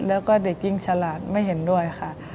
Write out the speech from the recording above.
แล้วก็เด็กยิ่งฉลาดไม่เห็นด้วยค่ะ